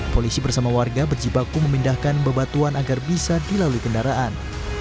polisi bersama warga berjibaku memindahkan bebatuan agar bisa dilalui kendaraan